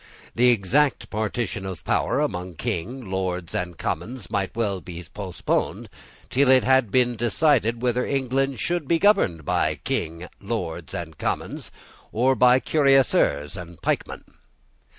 The exact partition of power among King, Lords, and Commons might well be postponed till it had been decided whether England should be governed by King, Lords, and Commons, or by cuirassiers and pikemen.